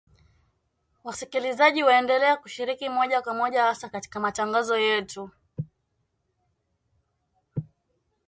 Wasikilizaji waendelea kushiriki moja kwa moja hasa katika matangazo yetu